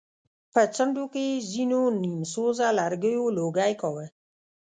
په څنډو کې يې ځېنو نيم سوزه لرګيو لوګی کوه.